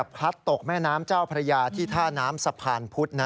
ตกแม่น้ำเจ้าพระยาที่ท่าน้ำสะพานพุธ